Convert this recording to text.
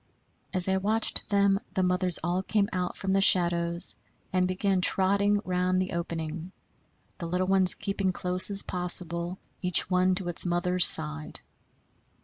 As I watched them the mothers all came out from the shadows and began trotting round the opening, the little ones keeping close as possible, each one to its mother's side.